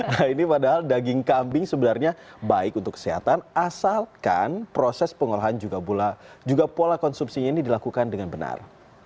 nah ini padahal daging kambing sebenarnya baik untuk kesehatan asalkan proses pengolahan juga pola konsumsinya ini dilakukan dengan benar